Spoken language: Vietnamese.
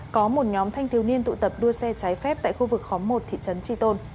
có một nhóm thanh thiếu niên tụ tập đua xe trái phép tại khu vực khóm một thị trấn tri tôn